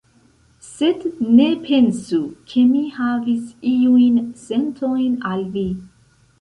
Sed ne pensu ke mi havis iujn sentojn al vi.